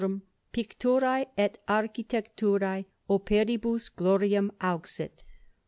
PICTURÆ ET ARCHITECT. OPERIBUS GLORIAM AUXIT.